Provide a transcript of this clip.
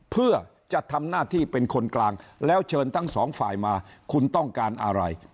เพื่อจะทำหน้าที่เป็นคนกลางแล้วเชิญทั้งสองฝ่ายมาคุณต้องการอะไร